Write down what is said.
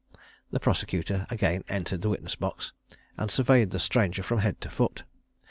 The prosecutor again entered the witness box, and surveyed the stranger from head to foot.